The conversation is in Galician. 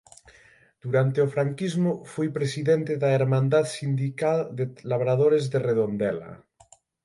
Durante o franquismo foi presidente da Hermandad Sindical de Labradores de Redondela.